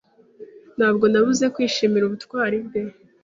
Ntabwo nabuze kwishimira ubutwari bwe.